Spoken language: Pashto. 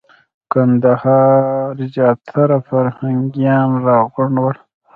د کندهار زیاتره فرهنګیان راغونډ ول.